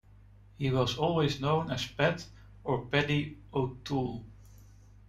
He was always known as Pat or Paddy O'Toole.